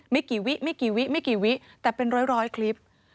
ไม่กี่วิแต่เป็นร้อยคลิป